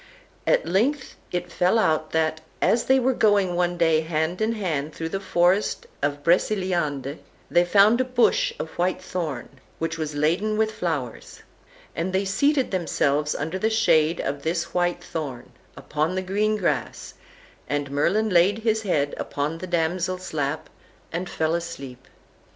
At length it fell out that, as they were going one day hand in hand through the forest of Breceliande, they found a bush of white thorn, which was laden with flowers; and they seated themselves under the shade of this white thorn, upon the green grass, and Merlin laid his head upon the damsel's lap, and fell asleep.